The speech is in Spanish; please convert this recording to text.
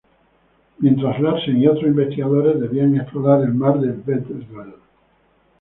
Mientras Larsen y otros investigadores debían explorar el mar de Weddell.